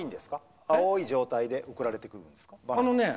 青い状態で送られてくるんですか？